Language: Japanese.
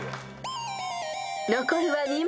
［残るは２問。